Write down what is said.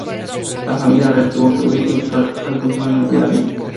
La familia real tuvo que huir y buscar refugio en el Bearne.